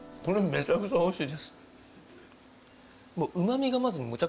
めちゃくちゃおいしい。